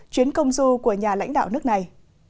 chuyến công du của nhà lãnh đạo nước này